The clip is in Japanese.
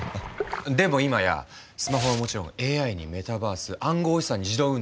でも今やスマホはもちろんＡＩにメタバース暗号資産に自動運転